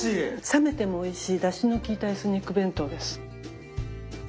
冷めてもおいしいだしのきいたエスニック弁当です。